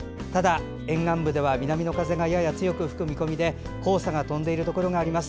沿岸部では南風がやや強く吹く見込みで黄砂が飛んでいるところがあります。